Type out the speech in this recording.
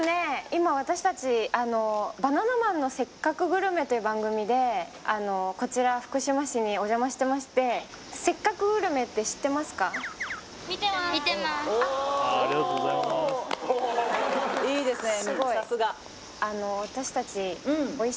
今私たち「バナナマンのせっかくグルメ！！」という番組でこちら福島市にお邪魔してましておおすごいいいですね